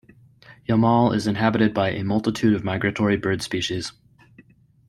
Yamal is inhabited by a multitude of migratory bird species.